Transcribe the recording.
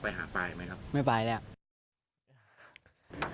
ทำยังไงจะไปหาไปไหมครับไม่ไปแล้ว